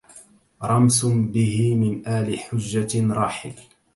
رمس به من آل حجة راحل